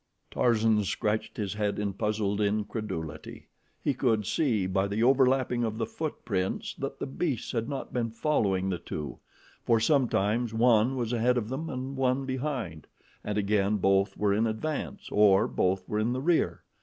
Tarzan scratched his head in puzzled incredulity. He could see by the overlapping of the footprints that the beasts had not been following the two, for sometimes one was ahead of them and one behind, and again both were in advance, or both were in the rear.